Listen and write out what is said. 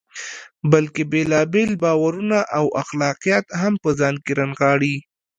بلکې بېلابېل باورونه او اخلاقیات هم په ځان کې نغاړي.